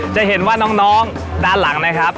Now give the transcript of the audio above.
จะเห็นว่าน้องด้านหลังนะครับ